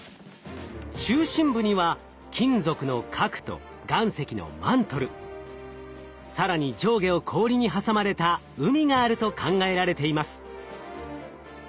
中心部には金属の核と岩石のマントル更に上下を氷に挟まれた海があると考えられています。